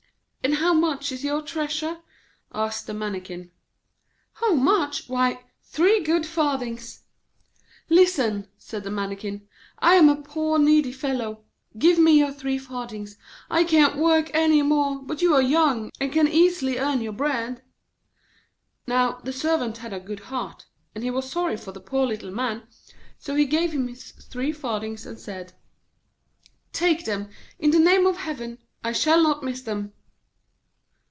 'And how much is your treasure?' asked the Mannikin. 'How much? Why, three good farthings.' 'Listen!' said the Mannikin. 'I am a poor needy fellow; give me your three farthings. I can't work any more; but you are young, and can easily earn your bread.' Now the Servant had a good heart, and he was sorry for the poor little man, so he gave him his three farthings, and said: 'Take them, in the name of heaven! I shall not miss them.'